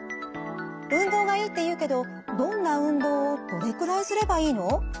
運動がいいっていうけどどんな運動をどれくらいすればいいの？